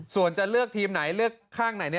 ส่วนจะเลือกทีมไหนเลือกข้างไหน